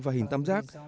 và hình tăm giác